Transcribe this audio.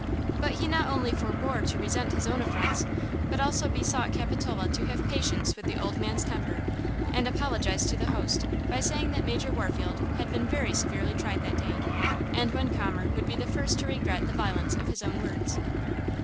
But he not only forbore to resent his own affronts, but also besought Capitola to have patience with the old man's temper and apologized to the host by saying that Major Warfield had been very severely tried that day, and when calmer would be the first to regret the violence of his own words.